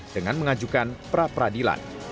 dengan mengajukan pra peradilan